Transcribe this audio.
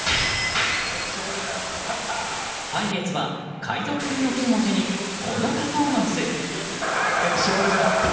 パイレーツは海賊風の剣を手にこのパフォーマンス。